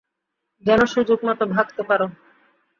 যেনো সুযোগ মতো ভাগতে পারো।